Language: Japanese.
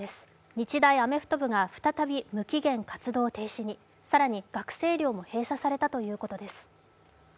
日大アメフト部が再び無期限活動停止に、更に学生寮も閉鎖されたということです。